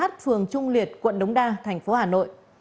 phường trung liệt quận đống đa thành phố hà nội